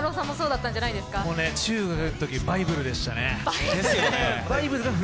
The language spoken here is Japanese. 中学のとき、バイブルでしたよね。